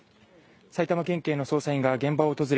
埼玉県警の捜査員が現場を訪れ